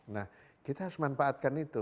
nah kita harus manfaatkan itu